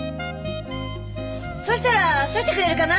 そしたらそうしてくれるかな？